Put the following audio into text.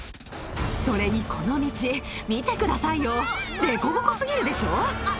それにこの道、見てくださいよ、凸凹すぎるでしょ。